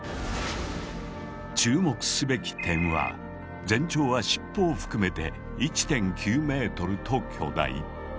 注目すべき点は全長は尻尾を含めて１．９ｍと巨大。